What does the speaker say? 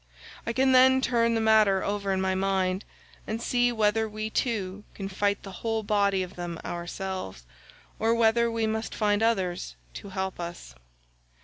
I can then turn the matter over in my mind, and see whether we two can fight the whole body of them ourselves, or whether we must find others to help us."